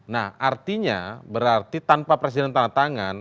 nah artinya berarti tanpa presiden tanda tangan